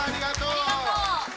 ありがとう！